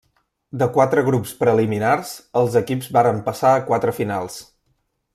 De quatre grups preliminars els equips varen passar a quatre finals.